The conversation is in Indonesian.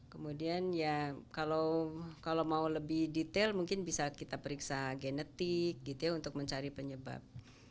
kemudian kalau mau lebih detail mungkin bisa kita periksa genetik untuk mencari penyebab